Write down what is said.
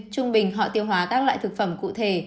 trung bình họ tiêu hóa các loại thực phẩm cụ thể